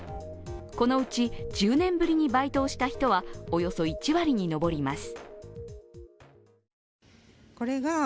このうち１０年ぶりにバイトをした人はおよそ１割に上ります。